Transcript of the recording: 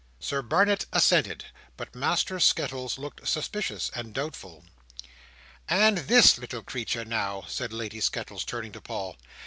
Sir Barnet assented, but Master Skettles looked suspicious and doubtful. "And this little creature, now," said Lady Skettles, turning to Paul.